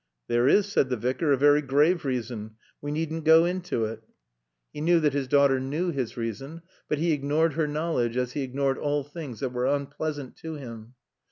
"There is," said the Vicar, "a very grave reason. We needn't go into it." He knew that his daughter knew his reason. But he ignored her knowledge as he ignored all things that were unpleasant to him.